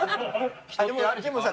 でもさ。